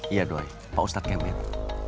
iya doi pak ustadz kembali